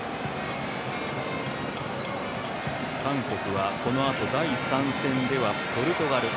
韓国はこのあと第３戦ではポルトガル。